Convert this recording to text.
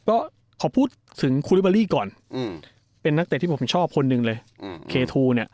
ก็ขอพูดถึงอืมเป็นนักเตะที่ผมชอบคนหนึ่งเลยอืมเนี้ย